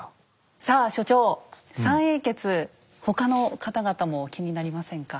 さあ所長三英傑他の方々も気になりませんか？